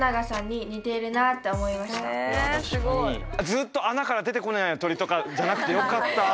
ずっと穴から出てこない鳥とかじゃなくてよかった。